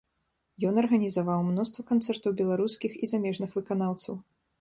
Ён арганізаваў мноства канцэртаў беларускіх і замежных выканаўцаў.